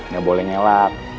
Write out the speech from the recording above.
gak boleh nyelak